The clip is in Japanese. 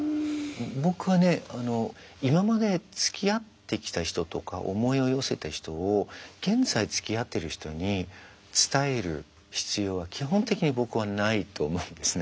僕はねあの今までつきあってきた人とか思いを寄せた人を現在つきあってる人に伝える必要は基本的に僕はないと思うんですね。